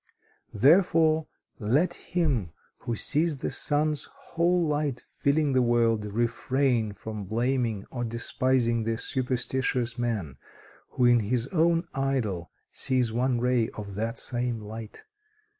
"Therefore, let him who sees the sun's whole light filling the world, refrain from blaming or despising the superstitious man, who in his own idol sees one ray of that same light.